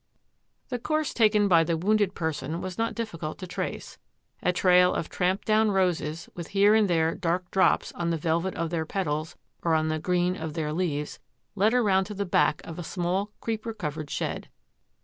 The course taken by the wounded person was not difficult to trace. A trail of trampled down roses, with here and there dark drops on the velvet of their petals or on the green of their leaves, led around to the back of a small creeper covered shed.